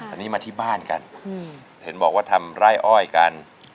อันนี้มาที่บ้านกันเห็นบอกว่าทำไร่อ้อยกัน